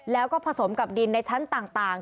แล้วก็ผสมกับดินในชั้นต่าง